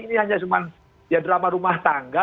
ini hanya cuma ya drama rumah tangga